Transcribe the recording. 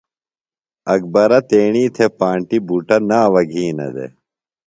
اکبرہ تیݨی تھےۡ پانٹیۡ بُٹہ ناوہ گِھینہ دےۡ۔